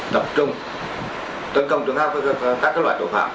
tập trung tấn công các loại tội phạm